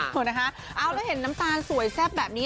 เออนะคะเอาแล้วเห็นน้ำตาลสวยแซ่บแบบนี้